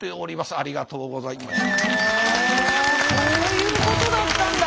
あそういうことだったんだ。